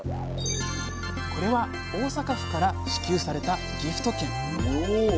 これは大阪府から支給されたギフト券。